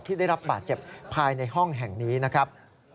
ได้รับบาดเจ็บภายในห้องแห่งนี้นะครับ